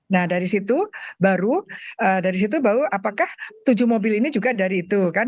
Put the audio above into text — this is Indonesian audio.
nah dari situ baru dari situ baru apakah tujuh mobil ini juga dari itu kan